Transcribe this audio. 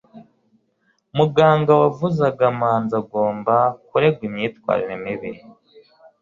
muganga wavuzaga manzi agomba kuregwa imyitwarire mibi